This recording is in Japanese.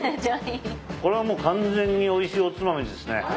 れはもう完全においしいおつまみですね。